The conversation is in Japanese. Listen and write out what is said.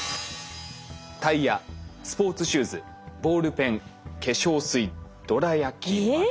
タイヤスポーツシューズボールペン化粧水どら焼きまで。